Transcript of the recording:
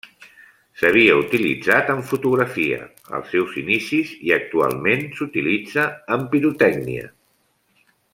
S'havia utilitzat en fotografia als seus inicis i actualment s'utilitza en pirotècnia.